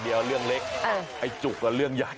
เรื่องเล็กไอ้จุกก็เรื่องใหญ่